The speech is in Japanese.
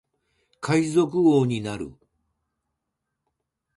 海賊王になる